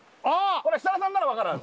これ設楽さんなら分かるはず